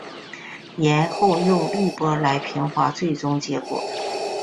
然后用滤波来平滑最终结果。